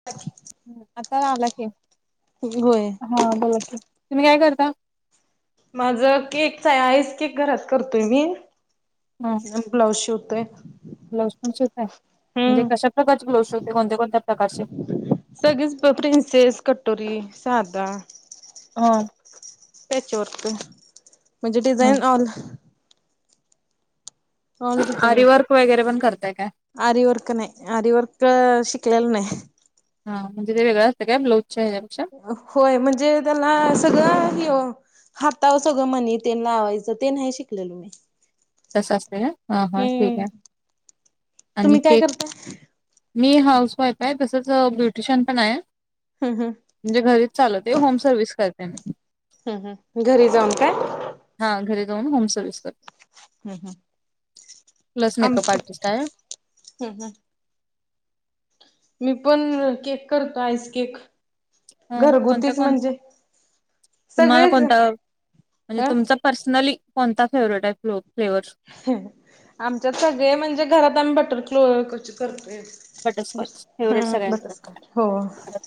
[unintelligible] आता आला की, होय. हा बोला की, तुम्ही काय करता? माझं केकचं आहे, आईस केक घरात करतोय मी. हा आणि ब्लाऊज शिवतोय. ब्लाऊज पण शिवतांय, म्हणजे हम्म. कशा प्रकारचे ब्लाउज शिवताय, कोणत्या-कोणत्या प्रकारचे. सगळेच प्रिनसेस कटोरी सध. ह. त्याच्यावर म्हणजे हा डिझाईन ऑल. हलडिझैन आरी सर. वर्क वगैरे पण करताय काय? आरीवर्क नाही आरीवर्क शिकलेला नाही. हा म्हणजे ते वेगं असतं काय्लाजच्या या्याे. होय म्हणजे त्याला सगळं य. हातावं सगळं म्हनी ते लावायचं ते नाही शिकलेलु मी. त स असतते का हा हा ठीक हम्म. आहे. आणि तुम्ही काय केक करताय? मी हाऊस वाईफ आहे तसंच ब्युटिशियन पण आहे. हम हम. म्हणजे घरीच चालवते होम सर्वि्हस करते म. हम हम घरी जाऊन काय. हा घरी जाऊन होम सर्विस करतो हम्म. प्लस मेकअप आर्टिस्ट आहे. हम् हम्. मी पण केक करतो आईस केक. ह कोणत्या घरगुतीच कोण म्हणजे तुम्हाला सगळेच कोणता म्हणजे अ तुमचा. पर्सनली कोणता फेवरेट आहे फ फ्लेवरस. आमच्यात सगळे म्हणजे घरात आम्ही बटर कलो कशी करतय. बटरस्कॉच फेवरेट हम् सगळ्यांचा? बटस हो.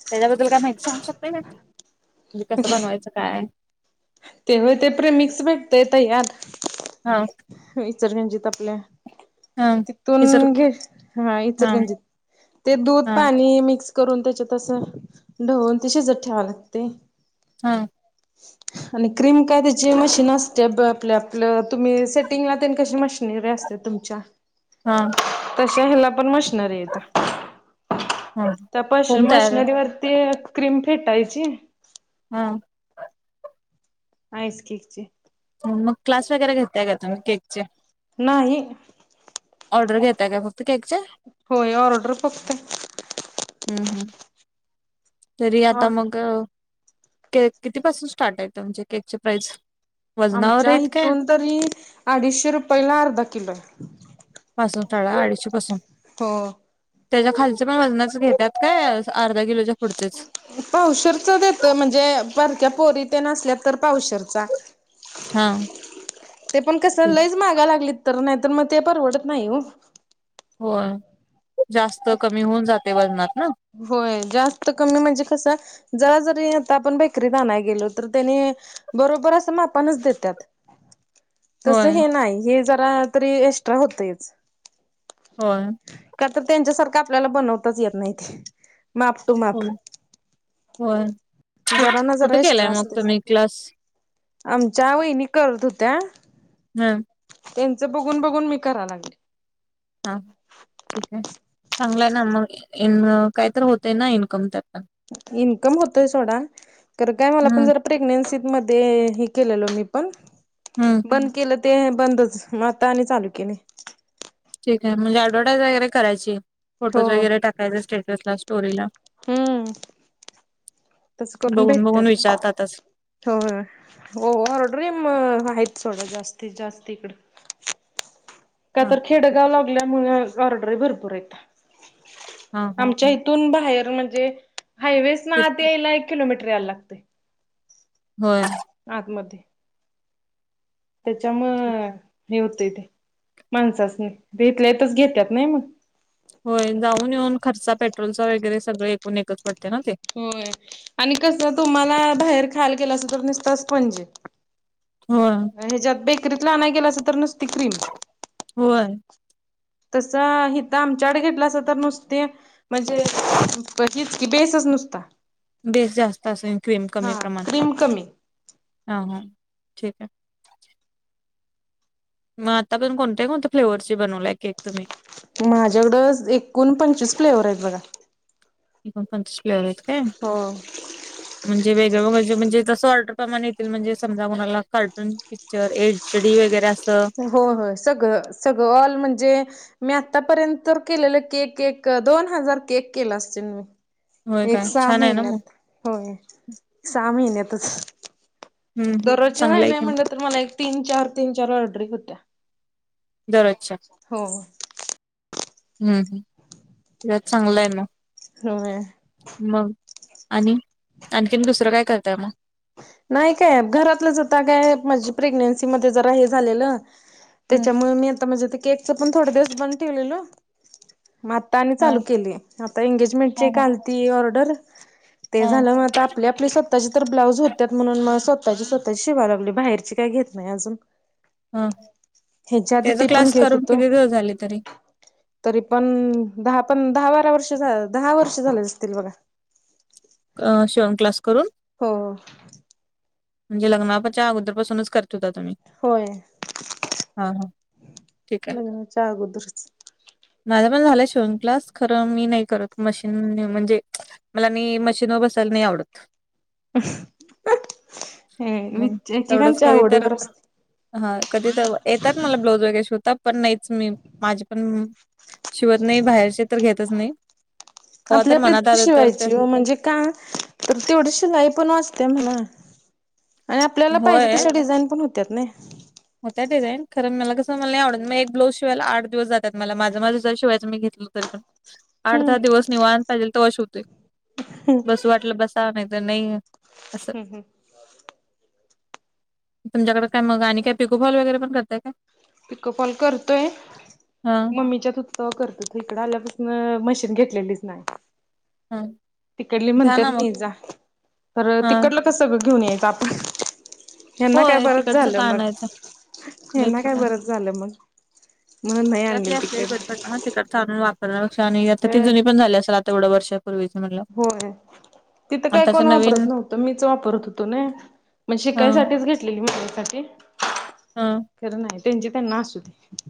त्याच्याबद्दल काय माहिती सांगू शकते ना म्हणजे कसं बनवायचं काय. ते होय ते प्रे मिक्स भेटते येत यार. हा. विचर्गंजीत आपल्या. हा विसर तिथून घे हा इचडक्यांचे ते दूध हा पाणी मिक्स. करून त्याच्या तसं ढवून तशी ज ठेवा लागते. हा. आणि क्रीम काय त्याची मशीन असते आप आपलं तुम्ही सेटिंगलानी कशी मशनरी असते. तर तुमच्या. हा. तशी हला पण मस्त. नरी य हा प होम तयार मशनरी वरती. क्रीम फेटायची. हा. आईस केक चे. मग क्लास वगैरे घेतताय का तुम्ही केकचे. नाही. ऑर्डर घेताय का फक्त केक. होय ऑर्डर फक्त. हम् हम्. तरी आता ऑर्डर मग के कितीपासून स्टार्ट आहेेत तुमचे केकचे प्राइज. आमच्या हीथून तरी अडीचशे रुपयला अर्धा किलो हे. पासून तर ना अडीचशे पासून. हो. त्याच्या खालच्या पण वजनाचे घेतात काय अर्धा किलोच्या पुढचेच. पावशेरच देतोय म्हणजे बारक्या पोरी तेन असल्या तर पावशेरचा. हा ते पण कस ठीक लईच माग लागली तर नाहीतर मग ते परवडत नाही ओ. होय जास्त कमी होऊन जातय वजनात ना. होय जास्त कमी म्हणजे कसं जरा जरी आता आपण बेकरीत आणाय गेलो तर त्यानी बरोबर अस मापानच देत्यात. तस होय हे नाही हे जरा तरी एक्स्ट्रा होतयच. होय का तर त्यांच्यासारखं आपल्याला बनवताच येत नाही ते माप माप होय होय. जरा ना जरा कुठे केलाय एक्स्ट्रा मग असतय. तुम्ही क्लास आमच्या वहिणी करत होत्या मम त्यांच बघून बघून मी करा लागले. हा ठीक आहे, चांगलाय ना मग ईन काही तर होतय ना इनकम त्यात ना इनकम होतोय सोडा खरं काय मला पण हम्म जर प्रेग्नेन्सीत मध्ये हे केलेलो मी पण हम्म बंद केलं ते बंदच म आता आणि चालू केलय. ठीक आहे म्हणजे ऍडवटाईज वगैर करायची हो फोटोज वगैरे टाकायचे स्टेटसला, स्टोरीला. हम्म तस करून बघून भेटत्यात बघून ना विचारतातच होय हो हो ऑर्डरी म आहेत सोडा जास्तीत जास्ती इकड. का हा तर ठीक खेडगाव लागल्यामुळे ऑर्डरी भरपूर आहेत हा हा आमच्या इथ तून बाहेर म्हणजे हायवेसन ठीक. आत यायला एक किलोमीटर यायला लागतय. होय आतमध्ये त्याच्यामुळ हे होतंय ते माणसांसनी ते इथल्या इथच घेत्यात नाही मग. होय जाऊन येऊन खर्चा पेट्रोलचा वगैरे सगळं एकूण एकच पडतय ना ते होय आणि कसं तुम्हाला बाहेर खायला गेलो असतो तर निसता स्पंजी होय ह्याच्यात बेकरीतला आणाय गेल असत तर नुसती क्रीम होय तसा हिथ आमच्याकड घेतलसा तर नुसते म्हणजे बघीच की बेसच नुसता बेस जास्त असेल, क्रीम कमी हा प्रमाण क्रीम कमी हा हा ठीक आहे मग आतापर्यंत कोणत्या कोणत्या फ्लेवरचे बनवलाय केक तुम्ही माझ्याकड ज एकूण पंचवीस फ्लेवर आहेत बघा. ऐकूण पंचवीस फ्लेवर आहेत काय? हो म्हणजे वेगळं व्हरजन म्हणजे जस ऑर्डर प्रमाणे येतील म्हणजे समजा कोणाला कार्टून की त्याच्या वर एचडी वगैरे असं होय होय सगळ सगळ ऑल म्हणजे मी आतापर्यंत तर केलेले केक केक दोन हजार केक केलो असेल मी होय एक काय सहा छान आहे ना मग महिन्यात होय सहा महिन्यातच हम्म हम्म. दरोजच्या चांगलं नाही आहे नाही की मग म्हणलं तर मला एक तीन -चार तीन- चार ऑर्डरी होत्या. दररोजच्या हो हम्म हम्म यात चांगलय न म होय मग आणि आणखीन दुसरं काय करताय मग नाही काय घरातलंच आता काय माझं प्रेग्नेन्सी मध्ये जरा हे झालेलं हा त्यांच्यामुळे मी आता माझ्या ते केकच पण थोड दिवस बंद केलेलो आणि चालू हा केली आता एंगेजमेंटची एक हा आलती ऑर्डर ते झालं मग आपली आपली स्वतःची तर ब्लाऊज होत्यात म्हणून मग स्वतःची स्वतःची शिवा लागलोय बाहेरची काय घेत नाही अजून हा हयाच्या आधी त्याचा ते पण क्लास घेत करून होतो किती दिवस झाले तरी तरी पण दहा पण दहा बारा वर्षं दहा वर्षं झाले असतील बघा अ शिवण क्लास करून हो म्हणजे लग्नाच्या अगोदर पासूनच करत्यात होय हा हा ठीक आहे [inaudible] लग्नाच्या अगोदरच माझा पण झालं शिवन क्लास खरं मी नाही करत मशीन नाही म्हणजे मला मी मशीन वर बसायला नाही आवडत ह मग एकेकांच्या आवडीवर असते हा कधी तर येतात मला ब्लाऊज वगैरे शिवता पण नाहीच मी माझे पण शिवत नाही बाहेरचे तर घेतच नाही कव्हा आपले आपले मनात तर आलं ते शिवायचे हो म्हणजे का तर तेवढी शिलाई पण वाचत्या म्हणा आणि आपल्याला पाहिजे तशी डिझाईन पण होत्या त्यात नाही [inaudible] होतय डिझाईन खरं मला कसं मला नाही आवडत मग एक ब्लाउज शिवायला आठ दिवस जात्यात मला माझं माझं शिवायच मी घेतलो तर आठ हम्म दहा दिवस निवांत पाहिजेल तवा शिवतोय बसू वाटलं बसा नाही तर नाही असं हम्म हम्म तुमच्याकडे काय मग आणि काय पिकोफॉल वगैरे पण करताय काय पिकपॉल करतोय हां, मम्मीच्यात तवा करत होतो इकडे आल्यापासून मशीन घेतलेलीच नाही हा तिकडली म्हणतात नाही जा खंर हां, तिकडलं कस सगळं घेऊन यायचं आपण हयना काय होय बरंच तिकडचं का झालं मग आणायचं? हयना काय बरंच झालं मग म्हणुन नाही आलं तिकडंन हा तिकडचं आणुन वापरण्यापेक्षा आणि आता ती जुनी पण झाली असेल आता एवढं वर्षापूर्वीच म्हटल्यावर होय तिथं काय कोण नवीन वापरत नव्हतं मीच वापरत होतो नाई म्हणजे हा शिकायसाठीच घेतलेलं [unintelligible] हा खरं नाही त्यांची त्यांना असू दे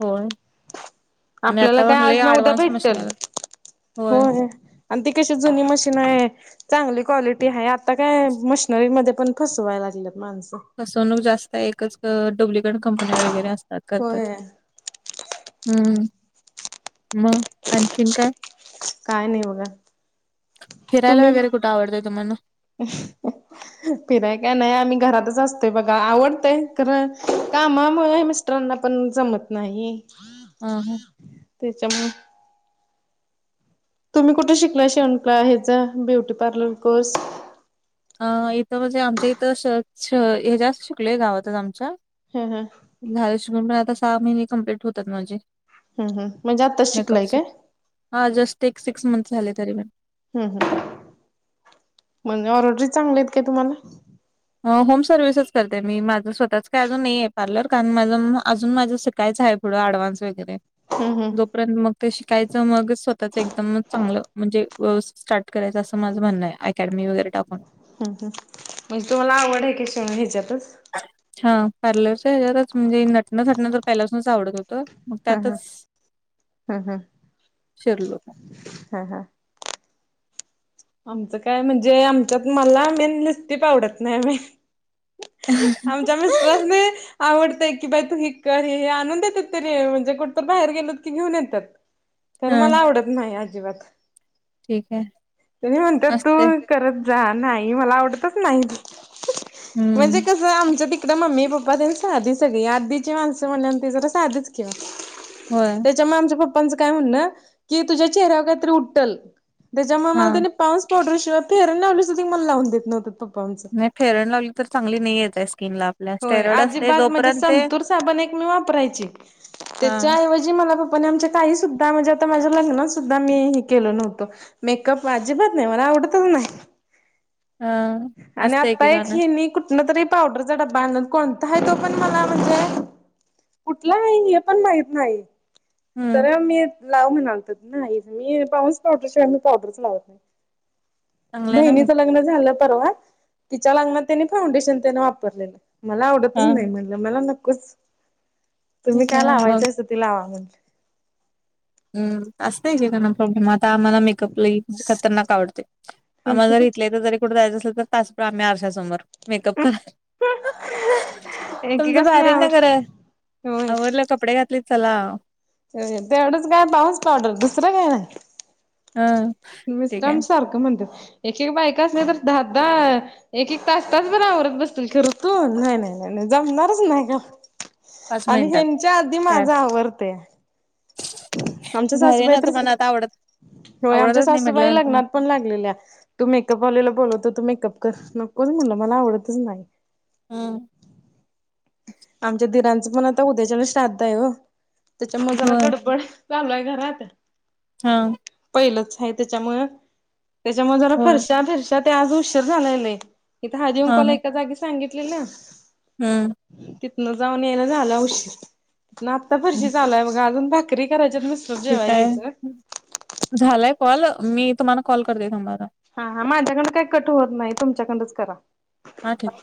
हो आपल्याला काय आज न उद्या ऍडव्हान्स मशीन भेटल आल्यात. होय आणि ती कशी जुनी मशीन आहे चांगली क्वालिटी आहे आता काय मशनरीमध्ये पण फसवाय लागलेत माणसं फसवणूक जास्त एकच डुप्लिकेट कंपन्या वगैरे असतात होय करतात हम्म मग आणखीन काय काय नाही बघा फिरायला वगैरे कुठं आवडतंय तुम्हाला ह [unintelligible] फिराय का नाही आम्ही घरातच असतोय बघा आवडतंय कारण कामामुळे मिस्त मित्रांना पण जमत नाही.. हा त्याच्यामुळे तुम्ही कुठे शिकला शिवणक्लास हचा ब्युटी पार्लर कोर्स अ इथं म्हणजे आमच्या इथं श श हेज्यात शिकलोय गावातच आमच्या हा हा.. झाले शिवून पण आता सहा महिने कंप्लीट होतात म्हणजे ह ह म्हणजे आत्ताच मेकप शिकलाय चे काय हा जस्ट एक सिक्स मंथ झाले तरीपण हम् म्हणजे ऑरडरी चांगल्या आहेत काय तुम्हाला? होम सर्व्हिसच करते मी माझं स्वतःच काय अजून नाही आहे पार्लर कारण माझ अजून माझं- कायच आहे पुढं आडव्हान्स वगैरे ह ह जोपर्यंत मग ते शिकायचं मग स्वतःच एकदम चांगलं म्हणजे असं स्टार्ट करायचं माझं म्हणं आहे अकॅडमी वगैरे टाकून ह म्हणजे तुम्हाला आवड आहे शिवण यच्यातच हा पार्लरच्या हेच्यात टच म्हणजे नटणं थटणं तर पहिल्यासूनच आवडत होत मग ह ह त्यातच ह शिरलो हा हा.. आमचं काय म्हणजे आमच्यात मला मेन लिपस्टिक आवडत नाही बाई आमच्या मिस्टरासणी आवडतय की बाई तू हे आणून देते तरी म्हणजे कुठत बाहेर गेलोत की घेऊन येतात तर मला हां, आवडत नाही अजिबात ठीक आहे. तेनी म्हणतात तू असते. करत जा नाही मला आवडतच नाही हं. म्हणजे कस आमच्या तिकडं तिकडं मम्मी पप्पा तेन साधी सगळी, आदीची माणसं म्हणल्या आणि ती जरा साधीच कि होय.. त्यामूळ आमच्या पप्पांच काय म्हण कि तुझ्या चेहऱ्यावर कायतरी उटल त्याच्यामूळ हां. पोंड्स पावडर शिवाय फेरन लावली सुद्ध मला लावून देत नव्हत पप्पा आमच फेरण लावली तर चांगली नाहीये स्किन ला आपल्या हो स्टेरॉइड असते अजिबात म्हणजे जोपर्यंत ते संतूर साबण एक मी वापरायची हां, त्याच्या ऐवजी मला पप्पांनी आमच्या काही सुद्धा म्हणजे आता माझ्या लग्नास सुद्धा मी हे केलं नव्हतं मेकअप अजिबात नाही मला आवडतच नाही हा.. आणि आत्ता एक हेणी कुठन तरी पावडरचा डबा आणला कोणता आहे तो पण मला म्हणजे कुठला आहे हे पण माहित नाही हम्म तर मी लाव म्हणालतो नाही मी पाऊंड्स पावडर शिवाय मी पावडरच लावत नाही चांगलंय ना मग. बहिणीच लग्न झालं परवा तिच्या लग्नात तेनी फाउंडेशन तेन वापरले मला आवडतच हा नाही म्ह मला नक्कोच तुम्ही ठीक काय आहे मग लावायचस त लावा म्हण हम् असतय एकेकांना प्रॉब्लेम आता आम्हाला मेकअपला लईच खरनाक आवडते.. आम्हाला म्हटलं जरी इथल्या इथ तर जरी कुठं जायचं असेल तर तास आम्ही आरशासमोर मेकअप करायाला तुमचं एकेकाच नाही भारी ना आवड खर होय आवरल कपडे घातलेत चला तेवढंच काय पाउंड्स पावडर दुसरं काय नाही हं मिस्टर तर ठीक आहे. आमच सारखं म्हणतात एक एक बायकासनी तर दहा दहा एक एक तास तास भर आवरत बसतील खरं तू नाही नाही नाही नाही जमणारच नाही गा पाच आणि मिनिटात हेंच्या आधी तयार माझा आवरतय आमच्या भारी सासूबाई ना तर तुम्हाला आता आवडत होय, आमच्या आवडतच नाही सासूबाई, म्हटल्यानंतर मग लग्नात पण लागलेल्या तू मेकअप वालीला बोलवतो, तू मेकअप कर, नकोच म्हटलं, मला आवडतच नाय. हम. आमच्या दिराचं पण आता, उद्याच्याला श्राद्ध य ओ, त्याच्यामुळे जरा होय गडबड चालूय ये घरात. हं. पहिलंच हाय त्याच्यामुळ, त्याच्यामुळे जरा होय फरशा-फिर ते आज उशीर झालेय ले, इथे हाळदी हा कुंकवाला, एका जागी सांगितलेल हम्म. तिथनं जाऊन यायला, झाला उशीर, न आत्ता फरशी चालाय बघा, अजून भाकरी करायच्यात, नस ठीक हाय, झालाय कॉल, मी तुम्हाला कॉल करते, थांबा आता. हा हा माझ्याकडन, काही कट होत नाही, तुमच्याकडंनच करा. हां, ठीक